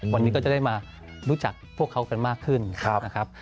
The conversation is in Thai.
วันนี้ก็จะได้มารู้จักพวกเขากันมากขึ้นนะครับ